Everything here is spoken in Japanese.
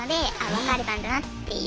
別れたんだなっていう。